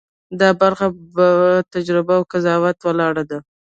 دا برخه په تجربه او قضاوت ولاړه ده.